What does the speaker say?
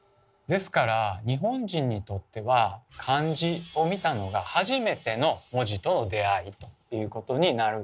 ですから日本人にとっては漢字を見たのが初めての文字との出会いということになるかと思います。